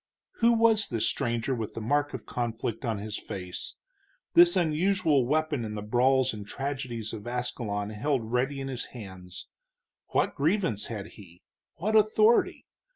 Who was this stranger with the mark of conflict on his face, this unusual weapon in the brawls and tragedies of Ascalon held ready in his hands? What grievance had he? what authority?